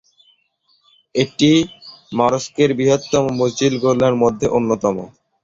এটি মরক্কোর বৃহত্তম মসজিদগুলোর মধ্যে অন্যতম।